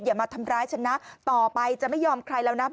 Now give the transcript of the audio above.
อย่ามาทำร้ายฉันนะต่อไปจะไม่ยอมใครแล้วนะ